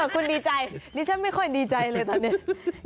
คุณดีใจนี่ฉันไม่ค่อยดีใจเลยท่านเน็ต